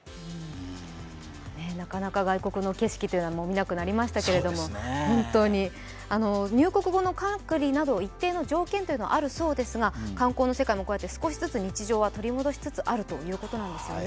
なかなか外国の景色というのは見なくなりましたけれども、入国後の隔離など一定の条件はあるそうですが観光の世界も少しずつ日常を取り戻しつつあるということなんですよね。